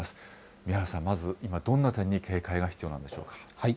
宮原さん、まず、どんな点に警戒が必要なんでしょうか。